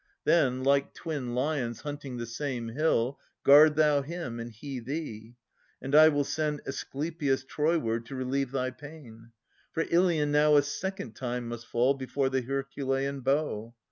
Then, like twin lions hunting the same hill, Guard thou him, and he thee ! and I will send Asclepius Troyward to relieve thy pain. For Ilion now a second time must fall Before the Herculean bow.